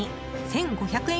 １５００円